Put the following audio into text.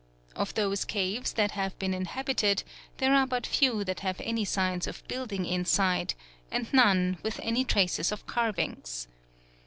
Of those caves that have been inhabited there are but few that have any signs of building inside, and none with any traces of carvings.